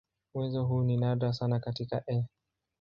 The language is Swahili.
Uwezo huu ni nadra sana katika "E.